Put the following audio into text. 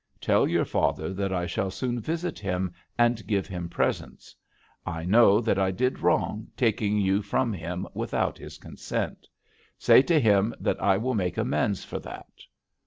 Tell your father that I shall soon visit him, and give him presents. I know that I did wrong, taking you from him without his consent. Say to him that I will make amends for that.'